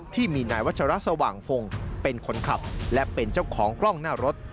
ที่มีนายวัชระสว่างพงศ์เป็นคนขับและเป็นเจ้าของกล้องหน้ารถ